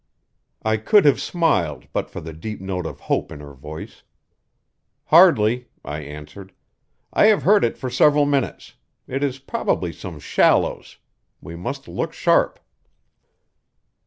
I could have smiled but for the deep note of hope in her voice. "Hardly," I answered. "I have heard it for several minutes. It is probably some shallows. We must look sharp."